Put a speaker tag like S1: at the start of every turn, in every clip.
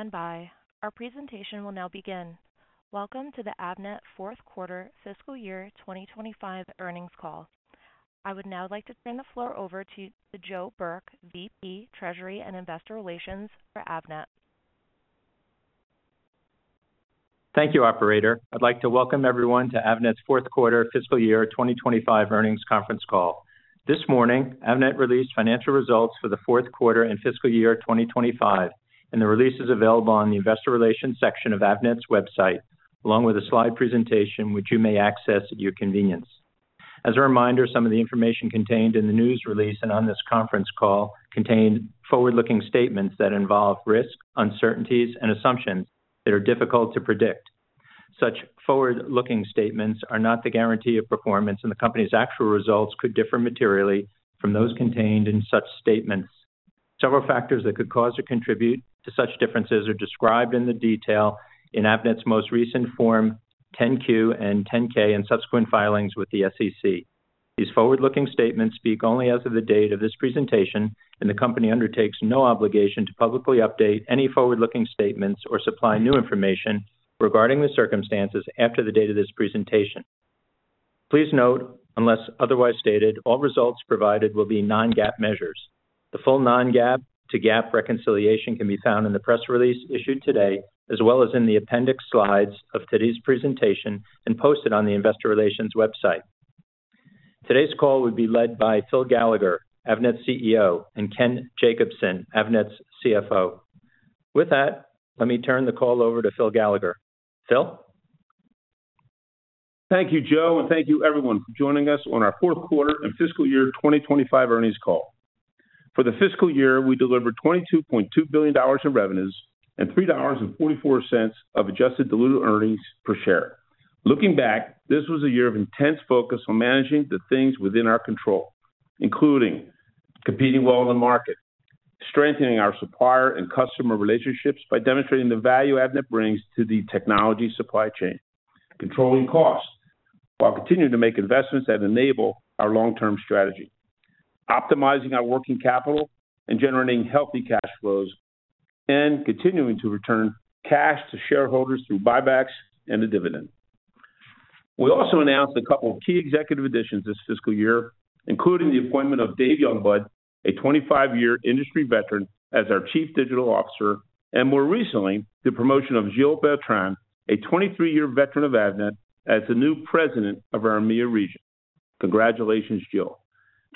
S1: Please stand by. Our presentation will now begin. Welcome to the Avnet Fourth Quarter Fiscal Year 2025 Earnings Call. I would now like to turn the floor over to Joe Burke, VP, Treasury and Investor Relations for Avnet.
S2: Thank you, Operator. I'd like to welcome everyone to Avnet's Fourth Quarter Fiscal Year 2025 Earnings Conference Call. This morning, Avnet released financial results for the fourth quarter and fiscal year 2025, and the release is available on the investor relations section of Avnet's website, along with a slide presentation which you may access at your convenience. As a reminder, some of the information contained in the news release and on this conference call contained forward-looking statements that involve risk, uncertainties, and assumptions that are difficult to predict. Such forward-looking statements are not the guarantee of performance, and the company's actual results could differ materially from those contained in such statements. Several factors that could cause or contribute to such differences are described in detail in Avnet's most recent Form 10-Q and 10-K and subsequent filings with the SEC. These forward-looking statements speak only as of the date of this presentation, and the company undertakes no obligation to publicly update any forward-looking statements or supply new information regarding the circumstances after the date of this presentation. Please note, unless otherwise stated, all results provided will be non-GAAP measures. The full non-GAAP to GAAP reconciliation can be found in the press release issued today, as well as in the appendix slides of today's presentation and posted on the investor relations website. Today's call will be led by Phil Gallagher, Avnet's CEO, and Ken Jacobson, Avnet's CFO. With that, let me turn the call over to Phil Gallagher. Phil?
S3: Thank you, Joe, and thank you, everyone, for joining us on our Fourth Quarter and Fiscal Year 2025 Earnings Call. For the fiscal year, we delivered $22.2 billion in revenues and $3.44 of adjusted diluted earnings per share. Looking back, this was a year of intense focus on managing the things within our control, including competing well in the market, strengthening our supplier and customer relationships by demonstrating the value Avnet brings to the technology supply chain, controlling costs while continuing to make investments that enable our long-term strategy, optimizing our working capital and generating healthy cash flows, and continuing to return cash to shareholders through buybacks and a dividend. We also announced a couple of key executive additions this fiscal year, including the appointment of Dave Youngblood, a 25-year industry veteran, as our Chief Digital Officer, and more recently, the promotion of Gilles Beltran, a 23-year veteran of Avnet, as the new President of our EMEA region. Congratulations, Gilles.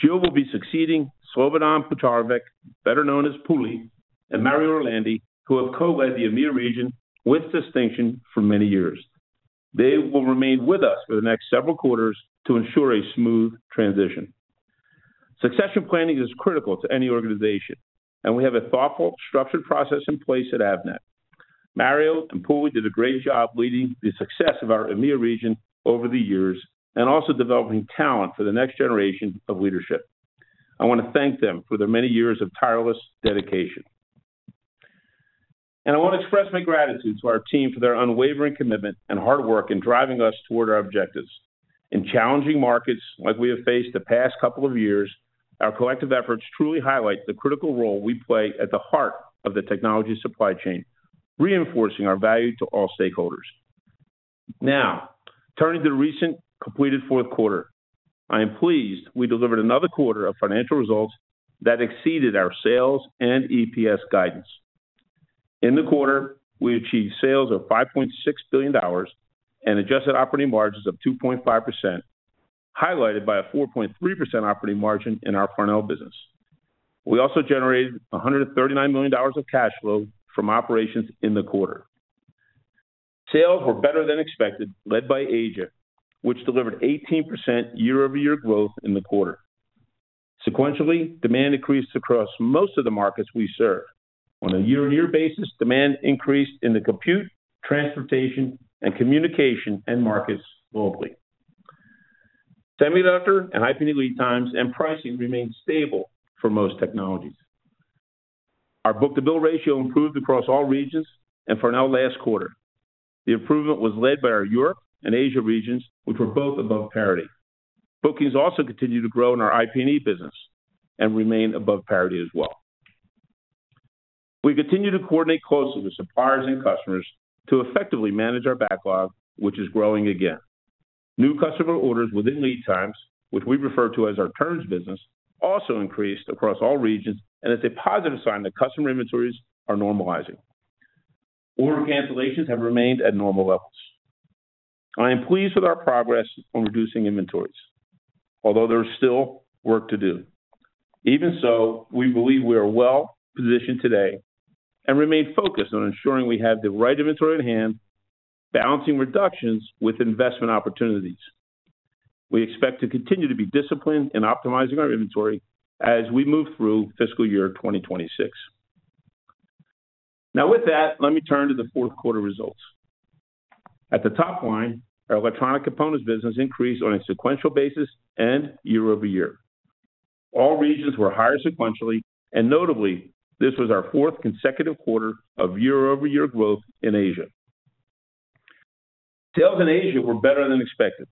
S3: Gilles will be succeeding Slobodan Puljarevic, better known as Puli, and Mario Orlandi, who have co-led the EMEA region with distinction for many years. They will remain with us for the next several quarters to ensure a smooth transition. Succession planning is critical to any organization, and we have a thoughtful, structured process in place at Avnet. Mario and Puli did a great job leading the success of our EMEA region over the years and also developing talent for the next generation of leadership. I want to thank them for their many years of tireless dedication. I want to express my gratitude to our team for their unwavering commitment and hard work in driving us toward our objectives. In challenging markets like we have faced the past couple of years, our collective efforts truly highlight the critical role we play at the heart of the technology supply chain, reinforcing our value to all stakeholders. Now, turning to the recent completed fourth quarter, I am pleased we delivered another quarter of financial results that exceeded our sales and EPS guidance. In the quarter, we achieved sales of $5.6 billion and adjusted operating margins of 2.5%, highlighted by a 4.3% operating margin in our Farnell business. We also generated $139 million of cash flow from operations in the quarter. Sales were better than expected, led by Asia, which delivered 18% year-over-year growth in the quarter. Sequentially, demand increased across most of the markets we serve. On a year-over-year basis, demand increased in the compute, transportation, and communication markets globally. Semiconductor and IP lead times and pricing remained stable for most technologies. Our book-to-bill ratio improved across all regions and Farnell last quarter. The improvement was led by our Europe and Asia regions, which were both above parity. Bookings also continued to grow in our IP&E business and remain above parity as well. We continue to coordinate closely with suppliers and customers to effectively manage our backlog, which is growing again. New customer orders within lead times, which we refer to as our turns business, also increased across all regions, and it's a positive sign that customer inventories are normalizing. Order cancellations have remained at normal levels. I am pleased with our progress on reducing inventories, although there is still work to do. Even so, we believe we are well positioned today and remain focused on ensuring we have the right inventory in hand, balancing reductions with investment opportunities. We expect to continue to be disciplined in optimizing our inventory as we move through fiscal year 2026. Now, with that, let me turn to the fourth quarter results. At the top line, our electronic components business increased on a sequential basis and year-over-year. All regions were higher sequentially, and notably, this was our fourth consecutive quarter of year-over-year growth in Asia. Sales in Asia were better than expected,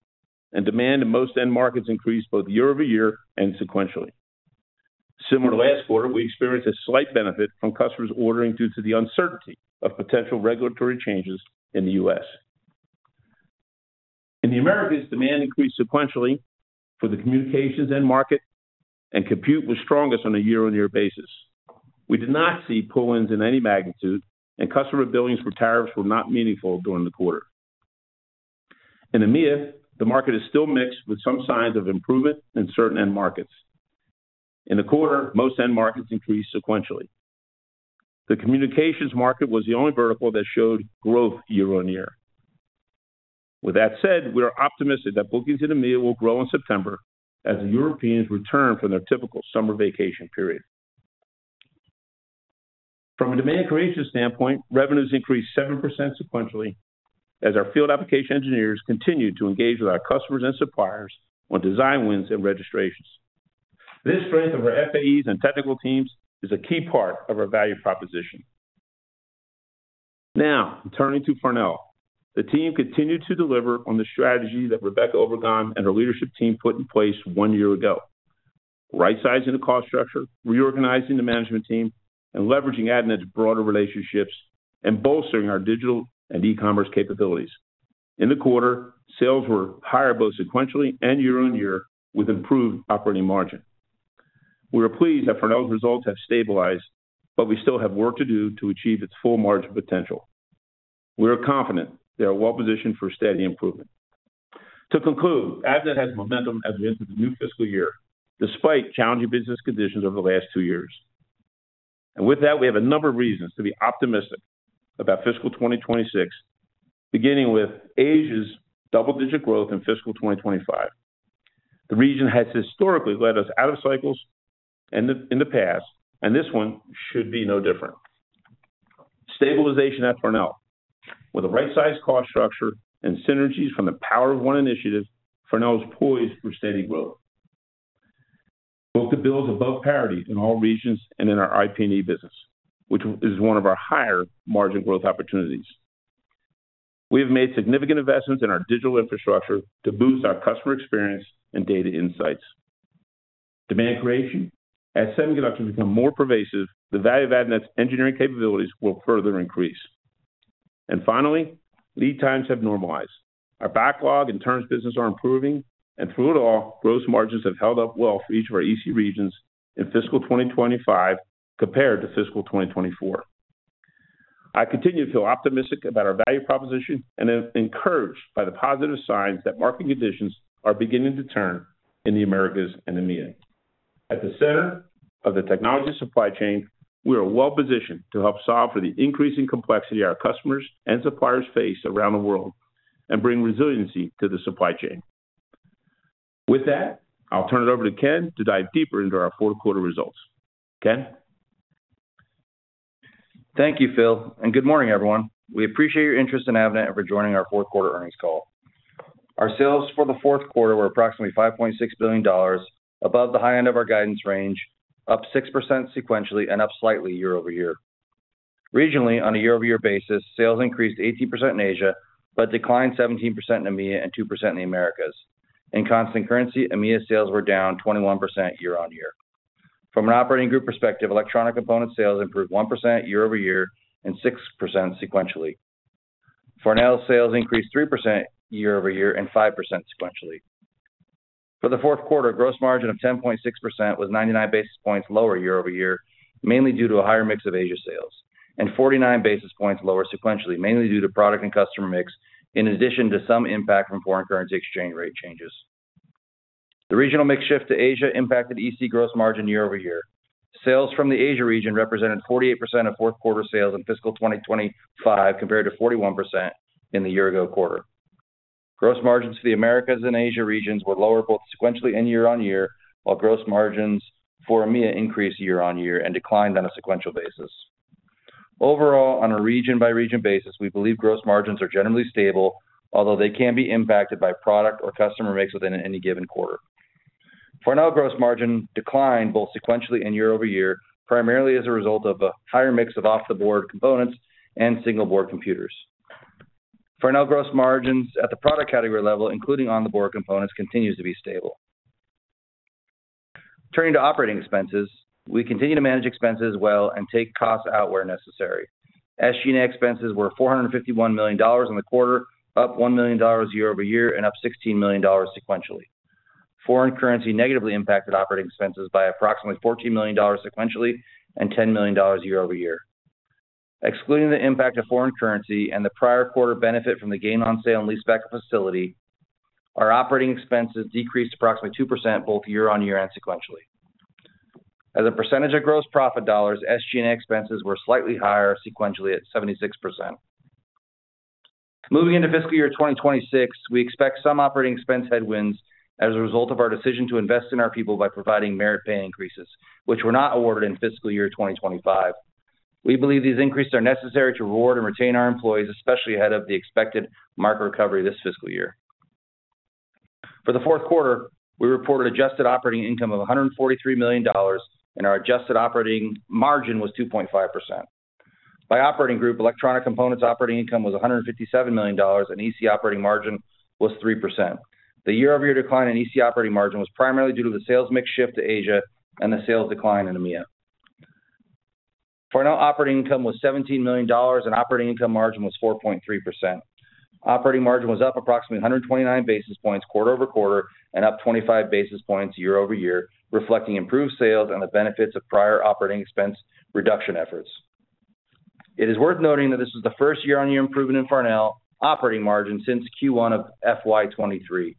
S3: and demand in most end markets increased both year-over-year and sequentially. Similar to last quarter, we experienced a slight benefit from customers ordering due to the uncertainty of potential regulatory changes in the U.S. In the Americas, demand increased sequentially for the communications end market, and compute was strongest on a year-over-year basis. We did not see pull-ins in any magnitude, and customer billings for tariffs were not meaningful during the quarter. In EMEA, the market is still mixed with some signs of improvement in certain end markets. In the quarter, most end markets increased sequentially. The communications market was the only vertical that showed growth year-over-year. With that said, we are optimistic that bookings in EMEA will grow in September as the Europeans return from their typical summer vacation period. From a demand creation standpoint, revenues increased 7% sequentially as our field application engineers continued to engage with our customers and suppliers on design wins and registrations. This strength of our FAEs and technical teams is a key part of our value proposition. Now, turning to Farnell, the team continued to deliver on the strategy that Rebeca Obregon and her leadership team put in place one year ago, right-sizing the cost structure, reorganizing the management team, and leveraging Avnet's broader relationships and bolstering our digital and e-commerce capabilities. In the quarter, sales were higher both sequentially and year-over-year with improved operating margin. We are pleased that Farnell's results have stabilized, but we still have work to do to achieve its full margin potential. We are confident they are well positioned for steady improvement. To conclude, Avnet has momentum as we enter the new fiscal year, despite challenging business conditions over the last two years. We have a number of reasons to be optimistic about fiscal 2026, beginning with Asia's double-digit growth in fiscal 2025. The region has historically led us out of cycles in the past, and this one should be no different. Stabilization at Farnell, with a right-sized cost structure and synergies from the Power of One initiative, Farnell is poised for steady growth. Book-to-bill is above parity in all regions and in our IP&E business, which is one of our higher margin growth opportunities. We have made significant investments in our digital infrastructure to boost our customer experience and data insights. Demand creation, as semiconductors become more pervasive, the value of Avnet's engineering capabilities will further increase. Finally, lead times have normalized. Our backlog and turns business are improving, and through it all, gross margins have held up well for each of our EC regions in fiscal 2025 compared to fiscal 2024. I continue to feel optimistic about our value proposition and am encouraged by the positive signs that market conditions are beginning to turn in the Americas and EMEA. At the center of the technology supply chain, we are well positioned to help solve for the increasing complexity our customers and suppliers face around the world and bring resiliency to the supply chain. With that, I'll turn it over to Ken to dive deeper into our fourth quarter results. Ken?
S4: Thank you, Phil, and good morning, everyone. We appreciate your interest in Avnet and for joining our fourth quarter earnings call. Our sales for the fourth quarter were approximately $5.6 billion, above the high end of our guidance range, up 6% sequentially, and up slightly year-over-year. Regionally, on a year-over-year basis, sales increased 18% in Asia, but declined 17% in EMEA and 2% in the Americas. In constant currency, EMEA sales were down 21% year on year. From an operating group perspective, electronic components sales improved 1% year-over-year and 6% sequentially. Farnell sales increased 3% year-over-year and 5% sequentially. For the fourth quarter, gross margin of 10.6% was 99 basis points lower year-over-year, mainly due to a higher mix of Asia sales, and 49 basis points lower sequentially, mainly due to product and customer mix, in addition to some impact from foreign currency exchange rate changes. The regional mix shift to Asia impacted electronic components gross margin year-over-year. Sales from the Asia region represented 48% of fourth quarter sales in fiscal year 2025 compared to 41% in the year ago quarter. Gross margins to the Americas and Asia regions were lower both sequentially and year on year, while gross margins for EMEA increased year on year and declined on a sequential basis. Overall, on a region-by-region basis, we believe gross margins are generally stable, although they can be impacted by product or customer mix within any given quarter. Farnell gross margin declined both sequentially and year-over-year, primarily as a result of a higher mix of off-the-board components and single-board computers. Farnell gross margins at the product category level, including on-the-board components, continue to be stable. Turning to operating expenses, we continue to manage expenses well and take costs out where necessary. SG&A expenses were $451 million in the quarter, up $1 million year-over-year and up $16 million sequentially. Foreign currency negatively impacted operating expenses by approximately $14 million sequentially and $10 million year-over-year. Excluding the impact of foreign currency and the prior quarter benefit from the gain on sale and lease back of facility, our operating expenses decreased approximately 2% both year on year and sequentially. As a percentage of gross profit dollars, SG&A expenses were slightly higher sequentially at 76%. Moving into fiscal year 2026, we expect some operating expense headwinds as a result of our decision to invest in our people by providing merit pay increases, which were not awarded in fiscal year 2025. We believe these increases are necessary to reward and retain our employees, especially ahead of the expected market recovery this fiscal year. For the fourth quarter, we reported adjusted operating income of $143 million, and our adjusted operating margin was 2.5%. By operating group, electronic components operating income was $157 million, and EC operating margin was 3%. The year-over-year decline in EC operating margin was primarily due to the sales mix shift to Asia and the sales decline in EMEA. Farnell operating income was $17 million, and operating income margin was 4.3%. Operating margin was up approximately 129 basis points quarter-over-quarter and up 25 basis points year-over-year, reflecting improved sales and the benefits of prior operating expense reduction efforts. It is worth noting that this was the first year-on-year improvement in Farnell operating margin since Q1 of FY 2023.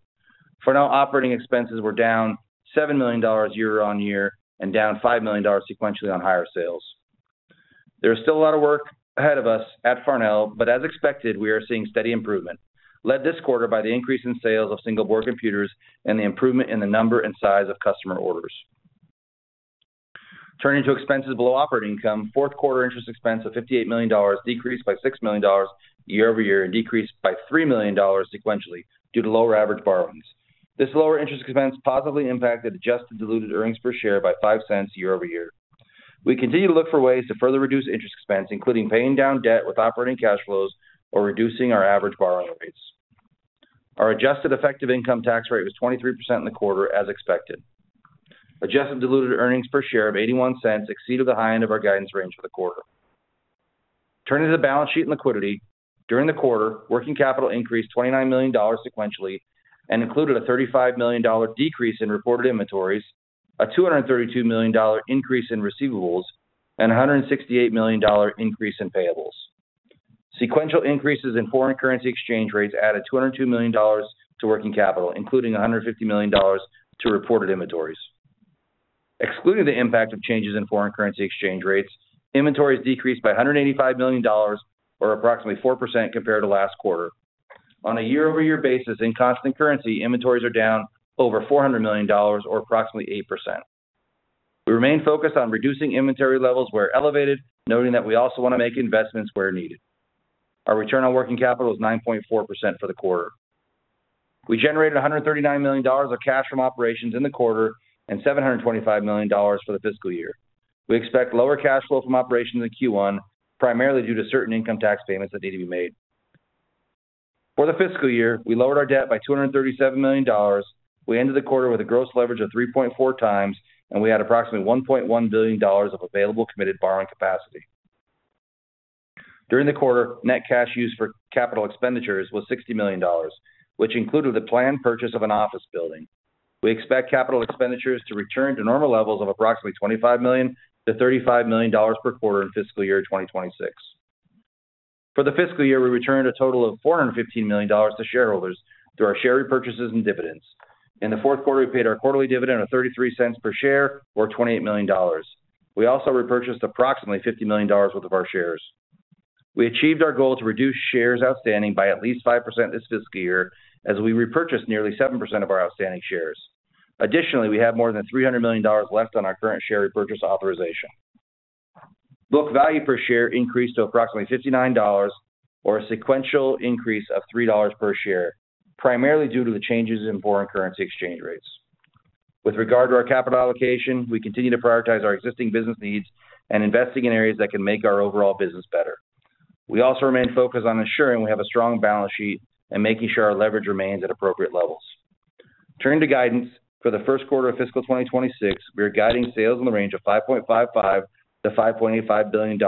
S4: Farnell operating expenses were down $7 million year on year and down $5 million sequentially on higher sales. There is still a lot of work ahead of us at Farnell, but as expected, we are seeing steady improvement, led this quarter by the increase in sales of single-board computers and the improvement in the number and size of customer orders. Turning to expenses below operating income, fourth quarter interest expense of $58 million decreased by $6 million year-over-year and decreased by $3 million sequentially due to lower average borrowings. This lower interest expense positively impacted adjusted diluted EPS by $0.05 year-over-year. We continue to look for ways to further reduce interest expense, including paying down debt with operating cash flows or reducing our average borrowing rates. Our adjusted effective income tax rate was 23% in the quarter, as expected. Adjusted diluted EPS of $0.81 exceeded the high end of our guidance range for the quarter. Turning to the balance sheet and liquidity, during the quarter, working capital increased $29 million sequentially and included a $35 million decrease in reported inventories, a $232 million increase in receivables, and a $168 million increase in payables. Sequential increases in foreign currency exchange rates added $202 million to working capital, including $150 million to reported inventories. Excluding the impact of changes in foreign currency exchange rates, inventories decreased by $185 million, or approximately 4% compared to last quarter. On a year-over-year basis, in constant currency, inventories are down over $400 million, or approximately 8%. We remain focused on reducing inventory levels where elevated, noting that we also want to make investments where needed. Our return on working capital is 9.4% for the quarter. We generated $139 million of cash from operations in the quarter and $725 million for the fiscal year. We expect lower cash flow from operations in Q1, primarily due to certain income tax payments that need to be made. For the fiscal year, we lowered our debt by $237 million. We ended the quarter with a gross leverage of 3.4x, and we had approximately $1.1 billion of available committed borrowing capacity. During the quarter, net cash used for capital expenditures was $60 million, which included the planned purchase of an office building. We expect capital expenditures to return to normal levels of approximately $25 million-$35 million per quarter in fiscal year 2026. For the fiscal year, we returned a total of $415 million to shareholders through our share repurchases and dividends. In the fourth quarter, we paid our quarterly dividend at $0.33 per share, or $28 million. We also repurchased approximately $50 million worth of our shares. We achieved our goal to reduce shares outstanding by at least 5% this fiscal year, as we repurchased nearly 7% of our outstanding shares. Additionally, we have more than $300 million left on our current share repurchase authorization. Book value per share increased to approximately $59, or a sequential increase of $3 per share, primarily due to the changes in foreign currency exchange rates. With regard to our capital allocation, we continue to prioritize our existing business needs and investing in areas that can make our overall business better. We also remain focused on ensuring we have a strong balance sheet and making sure our leverage remains at appropriate levels. Turning to guidance for the first quarter of fiscal 2026, we are guiding sales in the range of $5.55 billion-$5.85 billion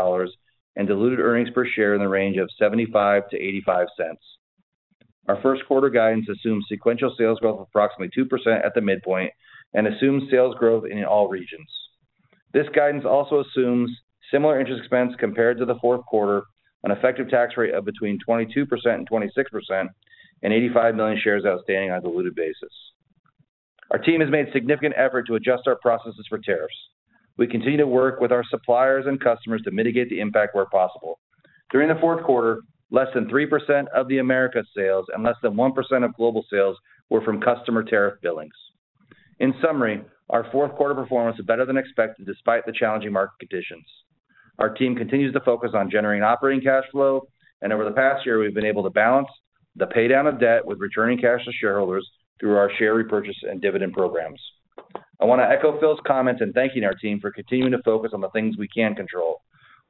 S4: and diluted earnings per share in the range of $0.75-$0.85. Our first quarter guidance assumes sequential sales growth of approximately 2% at the midpoint and assumes sales growth in all regions. This guidance also assumes similar interest expense compared to the fourth quarter, an effective tax rate of between 22% and 26%, and 85 million shares outstanding on a diluted basis. Our team has made significant effort to adjust our processes for tariffs. We continue to work with our suppliers and customers to mitigate the impact where possible. During the fourth quarter, less than 3% of the Americas sales and less than 1% of global sales were from customer tariff billings. In summary, our fourth quarter performance is better than expected despite the challenging market conditions. Our team continues to focus on generating operating cash flow, and over the past year, we've been able to balance the paydown of debt with returning cash to shareholders through our share repurchase and dividend programs. I want to echo Phil's comments in thanking our team for continuing to focus on the things we can control.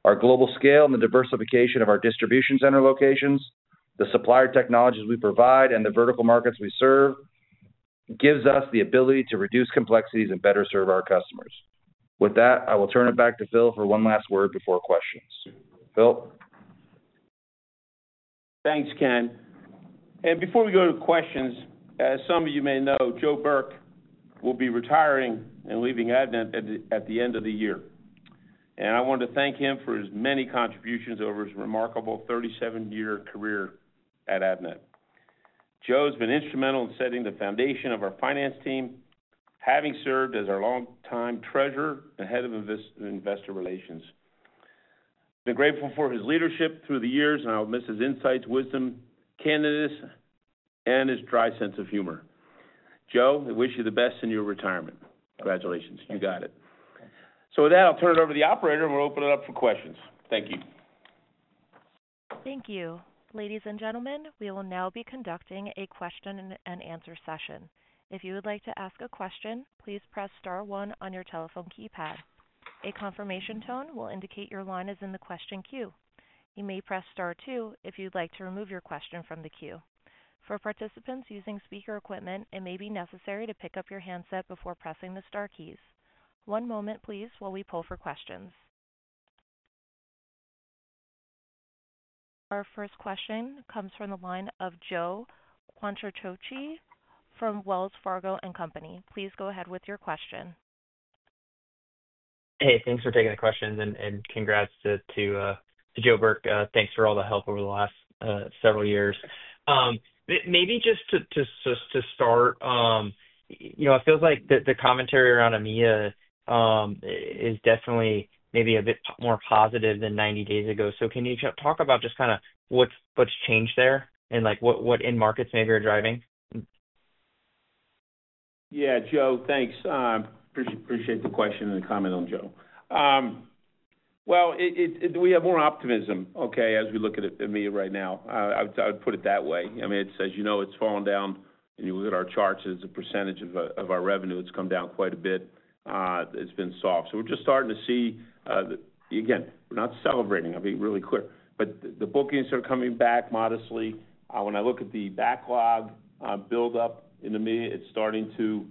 S4: Our global scale and the diversification of our distribution center locations, the supplier technologies we provide, and the vertical markets we serve give us the ability to reduce complexities and better serve our customers. With that, I will turn it back to Phil for one last word before questions. Phil?
S3: Thanks, Ken. Before we go to questions, as some of you may know, Joe Burke will be retiring and leaving Avnet at the end of the year. I want to thank him for his many contributions over his remarkable 37-year career at Avnet. Joe's been instrumental in setting the foundation of our finance team, having served as our long-time Treasurer and Head of Investor Relations. I've been grateful for his leadership through the years, and I'll miss his insights, wisdom, candidness, and his dry sense of humor. Joe, I wish you the best in your retirement. Congratulations. You got it. With that, I'll turn it over to the operator, and we'll open it up for questions. Thank you.
S1: Thank you. Ladies and gentlemen, we will now be conducting a question-and-answer session. If you would like to ask a question, please press star one on your telephone keypad. A confirmation tone will indicate your line is in the question queue. You may press star two if you'd like to remove your question from the queue. For participants using speaker equipment, it may be necessary to pick up your handset before pressing the star keys. One moment, please, while we pull for questions. Our first question comes from the line of Joe Quatrochi from Wells Fargo & Company. Please go ahead with your question.
S5: Hey, thanks for taking the question and congrats to Joe Burke. Thanks for all the help over the last several years. Maybe just to start, it feels like the commentary around EMEA is definitely maybe a bit more positive than 90 days ago. Can you talk about just kind of what's changed there and what end markets maybe are driving?
S3: Yeah, Joe, thanks. I appreciate the question and the comment on Joe. We have more optimism, okay, as we look at EMEA right now. I would put it that way. I mean, it says, you know, it's fallen down, and you look at our charts, and it's a percentage of our revenue that's come down quite a bit. It's been soft. We're just starting to see, again, we're not celebrating. I'll be really clear. The bookings are coming back modestly. When I look at the backlog buildup in EMEA, it's starting to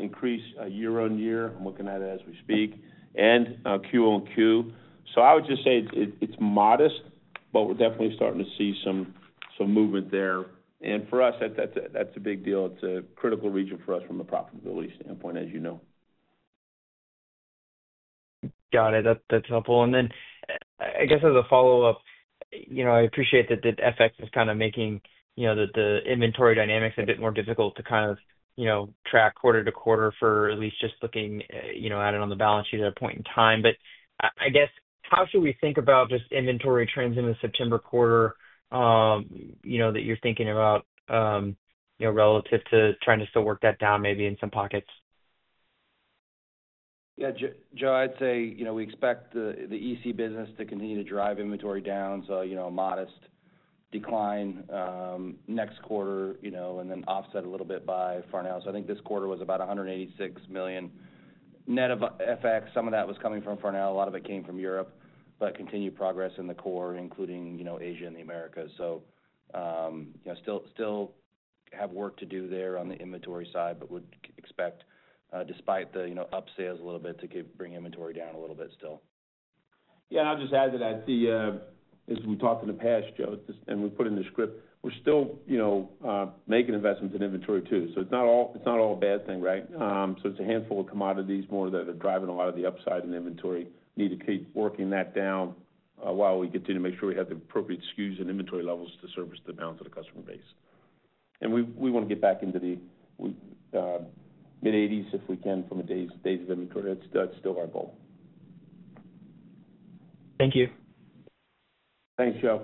S3: increase year on year. I'm looking at it as we speak and Q on Q. I would just say it's modest, but we're definitely starting to see some movement there. For us, that's a big deal. It's a critical region for us from a profitability standpoint, as you know.
S5: Got it. That's helpful. I guess as a follow-up, I appreciate that the FX is kind of making the inventory dynamics a bit more difficult to track quarter to quarter for at least just looking at it on the balance sheet at a point in time. I guess how should we think about just inventory trends in the September quarter that you're thinking about relative to trying to still work that down maybe in some pockets?
S4: Yeah, Joe, I'd say we expect the EC business to continue to drive inventory down. A modest decline next quarter, and then offset a little bit by Farnell. I think this quarter was about $186 million net of FX. Some of that was coming from Farnell. A lot of it came from Europe, but continued progress in the core, including Asia and the Americas. Still have work to do there on the inventory side, but would expect, despite the upsales a little bit, to bring inventory down a little bit still.
S3: Yeah, I'll just add to that. As we talked in the past, Joe, and we put in the script, we're still making investments in inventory too. It's not all a bad thing, right? It's a handful of commodities more that are driving a lot of the upside in the inventory. We need to keep working that down while we continue to make sure we have the appropriate SKUs and inventory levels to service the balance of the customer base. We want to get back into the mid-80s if we can from the days of inventory. That's still our goal.
S5: Thank you.
S3: Thanks, Joe.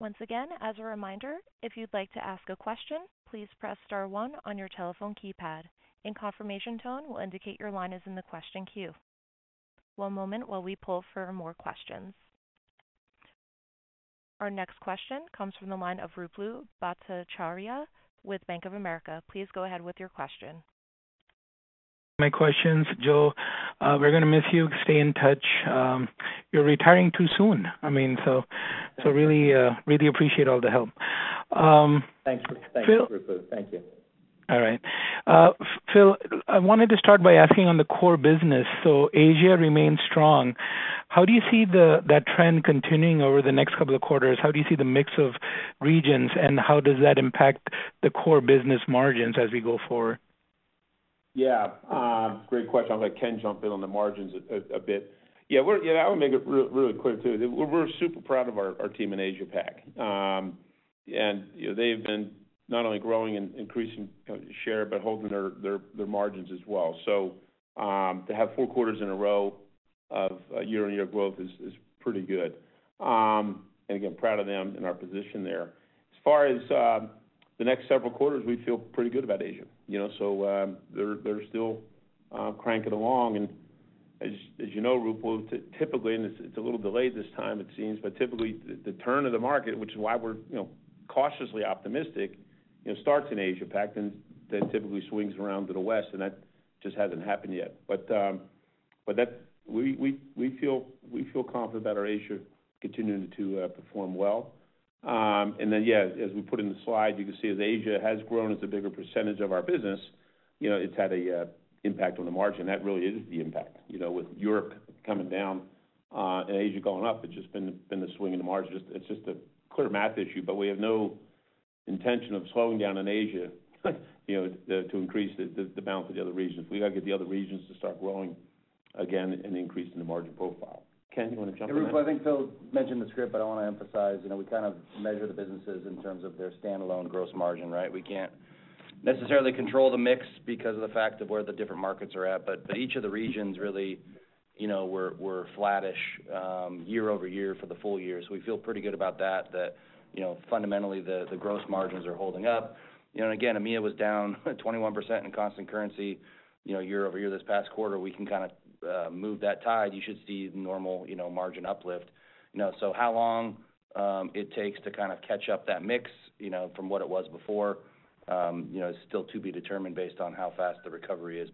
S1: Once again, as a reminder, if you'd like to ask a question, please press star one on your telephone keypad. A confirmation tone will indicate your line is in the question queue. One moment while we pull for more questions. Our next question comes from the line of Ruplu Bhattacharya with Bank of America. Please go ahead with your question.
S6: My questions, Joe. We're going to miss you. Stay in touch. You're retiring too soon. I mean, really, really appreciate all the help.
S2: Thanks, Ruplu. Thank you.
S6: All right. Phil, I wanted to start by asking on the core business. Asia remains strong. How do you see that trend continuing over the next couple of quarters? How do you see the mix of regions, and how does that impact the core business margins as we go forward?
S3: Yeah, great question. I was like, Ken jumped in on the margins a bit. I want to make it really clear too. We're super proud of our team in Asia-Pac, and they've been not only growing and increasing share, but holding their margins as well. To have four quarters in a row of year-on-year growth is pretty good. Again, proud of them in our position there. As far as the next several quarters, we feel pretty good about Asia. You know, they're still cranking along. As you know, Ruplu, typically, and it's a little delayed this time, it seems, but typically the turn of the market, which is why we're cautiously optimistic, starts in Asia-Pac, then that typically swings around to the West, and that just hasn't happened yet. We feel confident about our Asia continuing to perform well. As we put in the slide, you can see that Asia has grown as a bigger percentage of our business. It's had an impact on the margin. That really is the impact, with Europe coming down and Asia going up. It's just been the swing in the margin. It's just a clear math issue, but we have no intention of slowing down in Asia to increase the balance of the other regions. We got to get the other regions to start growing again and increasing the margin profile. Ken, you want to jump in?
S4: I think Phil mentioned the script, but I want to emphasize, you know, we kind of measure the businesses in terms of their standalone gross margin, right? We can't necessarily control the mix because of the fact of where the different markets are at, but each of the regions really, you know, we're flattish year-over-year for the full year. We feel pretty good about that, that, you know, fundamentally the gross margins are holding up. Again, EMEA was down 21% in constant currency, you know, year-over-year this past quarter. We can kind of move that tide. You should see the normal, you know, margin uplift. How long it takes to kind of catch up that mix, you know, from what it was before, you know, is still to be determined based on how fast the recovery is.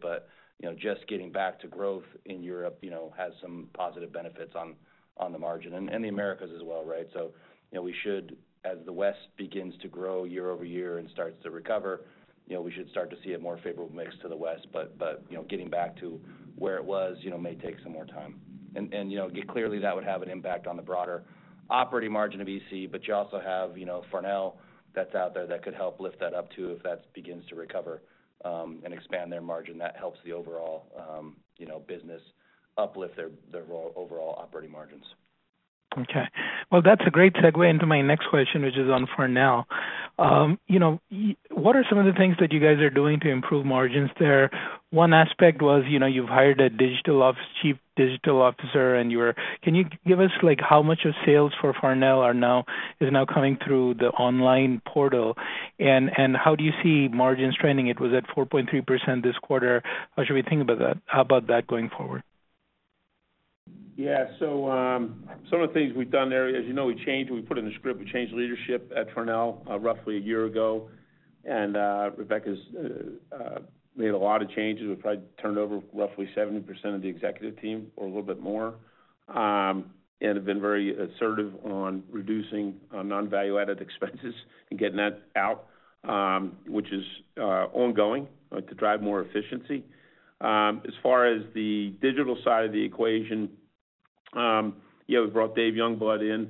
S4: Just getting back to growth in Europe, you know, has some positive benefits on the margin and the Americas as well, right? We should, as the West begins to grow year-over-year and starts to recover, you know, we should start to see a more favorable mix to the West. Getting back to where it was, you know, may take some more time. Clearly that would have an impact on the broader operating margin of EC, but you also have, you know, Farnell that's out there that could help lift that up too if that begins to recover and expand their margin. That helps the overall, you know, business uplift their overall operating margins.
S6: Okay. That's a great segue into my next question, which is on Farnell. You know, what are some of the things that you guys are doing to improve margins there? One aspect was, you know, you've hired a Chief Digital Officer, and you were, can you give us like how much of sales for Farnell are now coming through the online portal? How do you see margins trending? It was at 4.3% this quarter. How should we think about that? How about that going forward?
S3: Yeah, so some of the things we've done there, as you know, we changed, we put in a script, we changed leadership at Farnell roughly a year ago. Rebeca's made a lot of changes. We've probably turned over roughly 70% of the executive team or a little bit more. I've been very assertive on reducing non-value-added expenses and getting that out, which is ongoing to drive more efficiency. As far as the digital side of the equation, yeah, we brought Dave Youngblood in.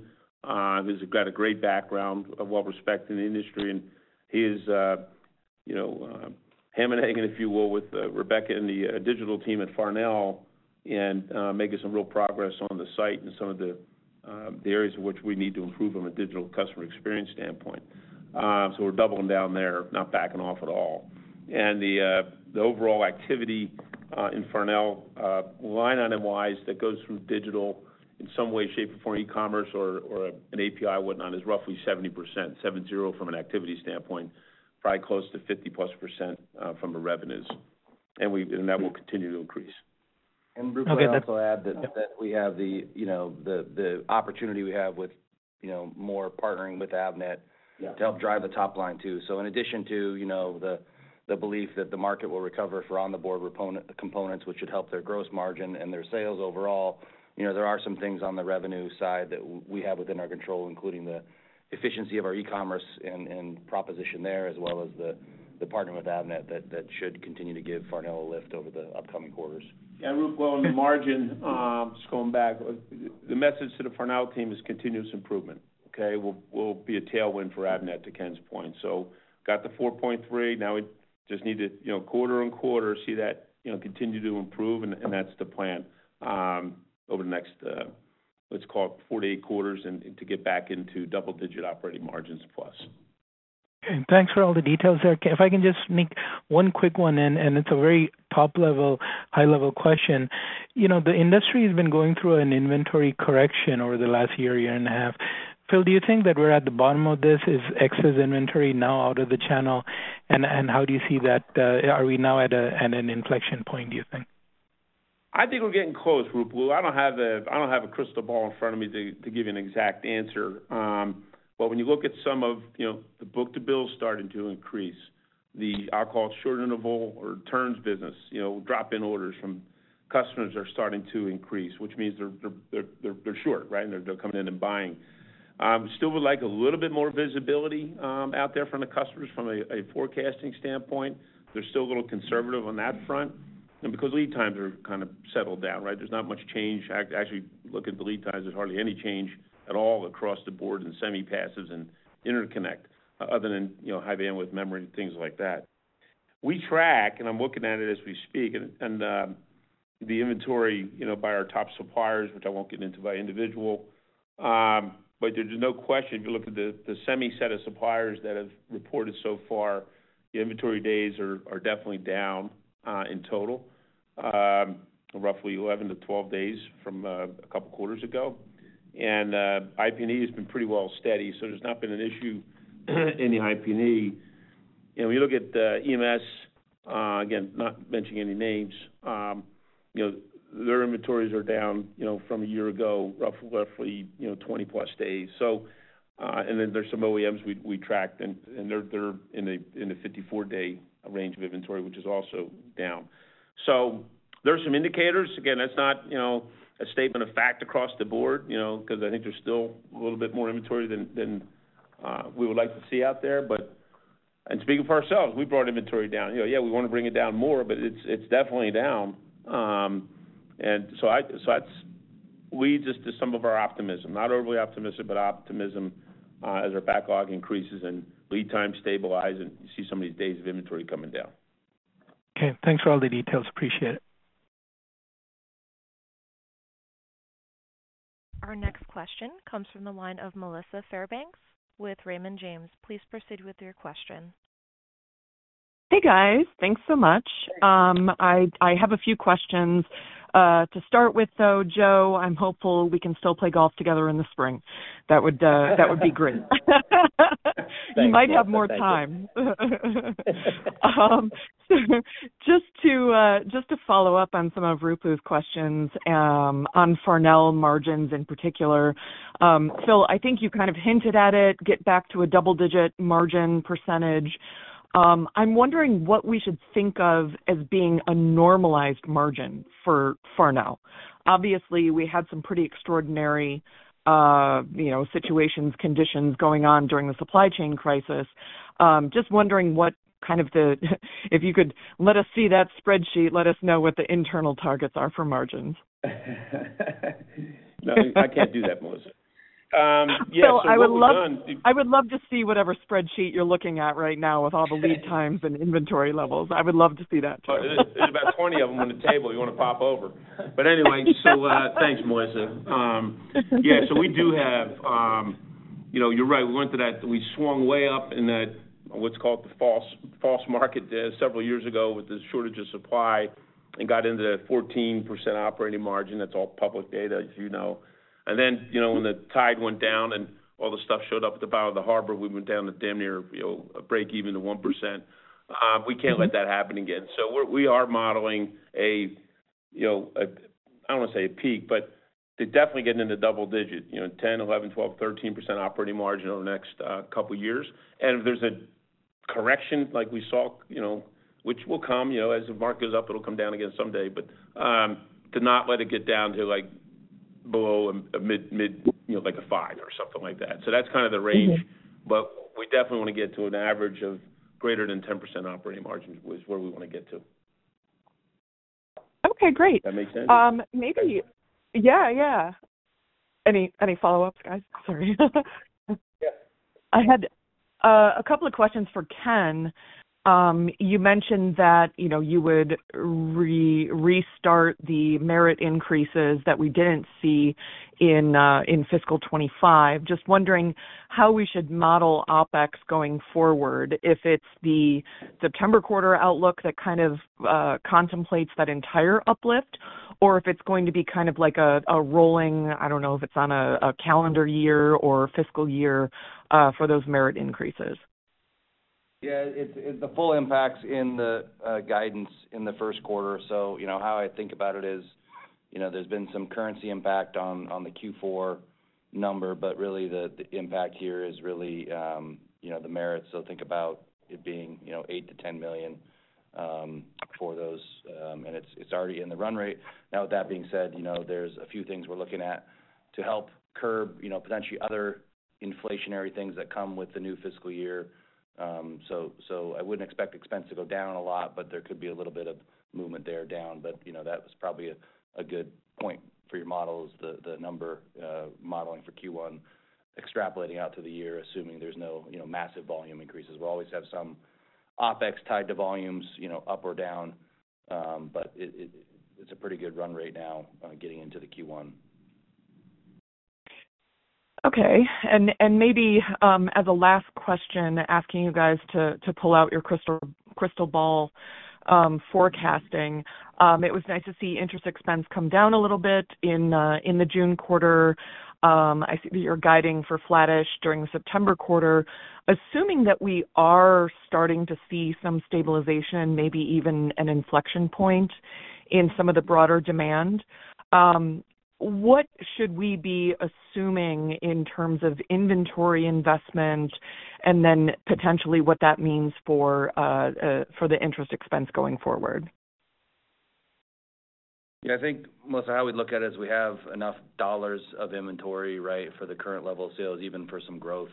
S3: He's got a great background, well-respected in the industry. He is, you know, hammering it, if you will, with Rebeca and the digital team at Farnell and making some real progress on the site and some of the areas in which we need to improve from a digital customer experience standpoint. We're doubling down there, not backing off at all. The overall activity in Farnell, line item-wise, that goes through digital in some way, shape, or form, e-commerce or an API or whatnot, is roughly 70%, seven-zero from an activity standpoint, probably close to 50%+ from the revenues. That will continue to increase.
S4: Ruplu, I guess I'll add that we have the opportunity we have with more partnering with Avnet to help drive the top line too. In addition to the belief that the market will recover for on-the-board components, which should help their gross margin and their sales overall, there are some things on the revenue side that we have within our control, including the efficiency of our e-commerce and proposition there, as well as the partner with Avnet that should continue to give Farnell a lift over the upcoming quarters.
S3: Ruplu, on the margin, just going back, the message to the Farnell team is continuous improvement. It will be a tailwind for Avnet to Ken's point. Got the 4.3%. Now we just need to, you know, quarter and quarter see that, you know, continue to improve, and that's the plan over the next, let's call it 48 quarters to get back into double-digit operating margins plus.
S6: Thank you for all the details there. If I can just sneak one quick one in, it's a very top-level, high-level question. You know, the industry has been going through an inventory correction over the last year, year and a half. Phil, do you think that we're at the bottom of this? Is excess inventory now out of the channel? How do you see that? Are we now at an inflection point, do you think?
S3: I think we're getting close, Ruplu. I don't have a crystal ball in front of me to give you an exact answer. When you look at some of the book-to-bill ratios starting to increase, the, I'll call it short interval or turns business, drop-in orders from customers are starting to increase, which means they're short, right? They're coming in and buying. Still would like a little bit more visibility out there from the customers from a forecasting standpoint. They're still a little conservative on that front. Because lead times are kind of settled down, right? There's not much change. Actually, look at the lead times, there's hardly any change at all across the board in semi-passives and interconnect other than high bandwidth memory and things like that. We track, and I'm looking at it as we speak, and the inventory by our top suppliers, which I won't get into by individual. There's no question, if you look at the semi set of suppliers that have reported so far, the inventory days are definitely down in total, roughly 11 to 12 days from a couple of quarters ago. IP&E has been pretty well steady. There's not been an issue in the IP&E. When you look at EMS, again, not mentioning any names, their inventories are down from a year ago, roughly 20+ days. There are some OEMs we tracked, and they're in the 54-day range of inventory, which is also down. There are some indicators. That's not a statement of fact across the board, because I think there's still a little bit more inventory than we would like to see out there. Speaking for ourselves, we brought inventory down. Yeah, we want to bring it down more, but it's definitely down. That leads us to some of our optimism. Not overly optimistic, but optimism as our backlog increases and lead times stabilize, and you see some of these days of inventory coming down.
S6: Okay, thanks for all the details. Appreciate it.
S1: Our next question comes from the line of Melissa Fairbanks with Raymond James. Please proceed with your question.
S7: Hey guys, thanks so much. I have a few questions. To start with though, Joe, I'm hopeful we can still play golf together in the spring. That would be great. We might have more time. Just to follow up on some of Ruplu's questions on Farnell margins in particular, Phil, I think you kind of hinted at it, get back to a double-digit margin percentage. I'm wondering what we should think of as being a normalized margin for Farnell. Obviously, we had some pretty extraordinary situations, conditions going on during the supply chain crisis. Just wondering what kind of the, if you could let us see that spreadsheet, let us know what the internal targets are for margins.
S2: I can't do that, Melissa.
S7: I would love to see whatever spreadsheet you're looking at right now with all the lead times and inventory levels. I would love to see that too.
S3: There's about 20 of them on the table. You want to pop over. Anyway, thanks, Melissa. Yeah, we do have, you know, you're right. We went to that, we swung way up in that, what's called the false market several years ago with the shortage of supply and got into that 14% operating margin. That's all public data, as you know. When the tide went down and all the stuff showed up at the bottom of the harbor, we went down to damn near, you know, a break even to 1%. We can't let that happen again. We are modeling a, you know, I don't want to say a peak, but they're definitely getting into double digit, you know, 10%, 11%, 12%, 13% operating margin over the next couple of years. If there's a correction like we saw, which will come, you know, as the market goes up, it'll come down again someday. To not let it get down to like below a mid, you know, like a 5% or something like that. That's kind of the range. We definitely want to get to an average of greater than 10% operating margin is where we want to get to.
S7: Okay, great.
S3: That makes sense?
S7: Any follow-ups, guys? Sorry. I had a couple of questions for Ken. You mentioned that you would restart the merit increases that we didn't see in fiscal 2025. Just wondering how we should model OpEx going forward, if it's the September quarter outlook that kind of contemplates that entire uplift, or if it's going to be kind of like a rolling, I don't know if it's on a calendar year or fiscal year for those merit increases.
S4: Yeah, the full impact is in the guidance in the first quarter. You know, how I think about it is, there's been some currency impact on the Q4 number, but really the impact here is the merit. Think about it being $8 million-$10 million for those, and it's already in the run rate. Now, with that being said, there are a few things we're looking at to help curb potentially other inflationary things that come with the new fiscal year. I wouldn't expect expense to go down a lot, but there could be a little bit of movement there down. That was probably a good point for your models, the number modeling for Q1, extrapolating out to the year, assuming there's no massive volume increases. We'll always have some OpEx tied to volumes, up or down. It's a pretty good run rate now getting into Q1.
S7: Okay. Maybe as a last question, asking you guys to pull out your crystal ball forecasting, it was nice to see interest expense come down a little bit in the June quarter. I see that you're guiding for flattish during the September quarter. Assuming that we are starting to see some stabilization, maybe even an inflection point in some of the broader demand, what should we be assuming in terms of inventory investment and then potentially what that means for the interest expense going forward?
S4: Yeah, I think, Melissa, how we look at it is we have enough dollars of inventory for the current level of sales, even for some growth.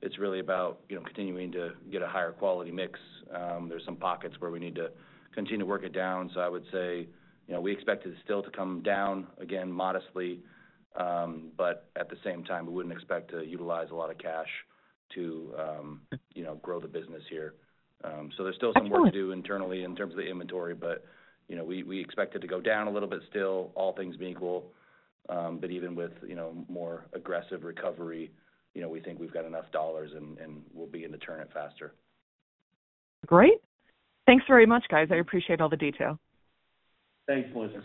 S4: It's really about continuing to get a higher quality mix. There are some pockets where we need to continue to work it down. I would say we expect it still to come down again modestly. At the same time, we wouldn't expect to utilize a lot of cash to grow the business here. There is still some work to do internally in terms of the inventory, but we expect it to go down a little bit still, all things being equal. Even with more aggressive recovery, we think we've got enough dollars and we'll begin to turn it faster.
S7: Great. Thanks very much, guys. I appreciate all the detail.
S3: Thanks, Melissa.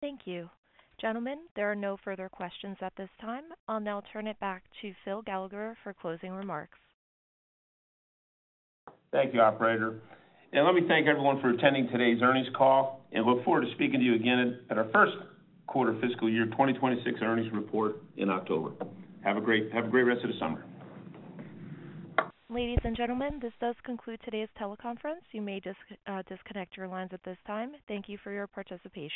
S1: Thank you. Gentlemen, there are no further questions at this time. I'll now turn it back to Phil Gallagher for closing remarks.
S3: Thank you, operator. Thank you everyone for attending today's earnings call and look forward to speaking to you again at our first quarter fiscal year 2026 earnings report in October. Have a great rest of the summer.
S1: Ladies and gentlemen, this does conclude today's teleconference. You may disconnect your lines at this time. Thank you for your participation.